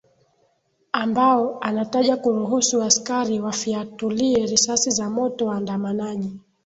ambao anataja kuruhusu askari wafiatulie risasi za moto waandamanaji